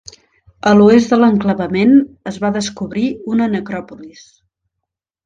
A l'oest de l'enclavament es va descobrir una necròpolis.